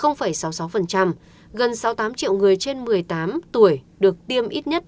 gần sáu mươi tám triệu người trên một mươi tám tuổi được tiêm ít nhất